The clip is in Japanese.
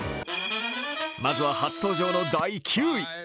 まずは初登場の第９位。